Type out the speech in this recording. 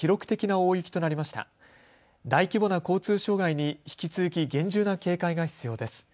大規模な交通障害に引き続き厳重な警戒が必要です。